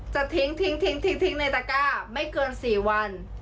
จะทิ้งทิ้งทิ้งทิ้งทิ้งในตาก้าไม่เกินสี่วัน